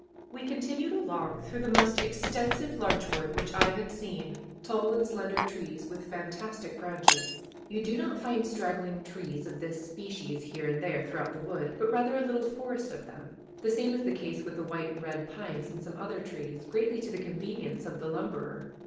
We continued along through the most extensive larch wood which I had seen tall and slender trees with fantastic branches. You do not find straggling trees of this species here and there throughout the wood, but rather a little forest of them. The same is the case with the white and red pines and some other trees, greatly to the convenience of the lumberer.